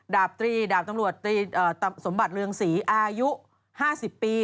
ตรีดาบตำรวจตรีสมบัติเรืองศรีอายุ๕๐ปี